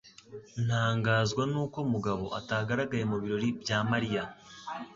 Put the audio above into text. Ntangazwa nuko Mugabo atagaragaye mubirori bya Mariya.